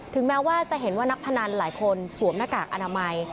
แม้ว่าจะเห็นว่านักพนันหลายคนสวมหน้ากากอนามัย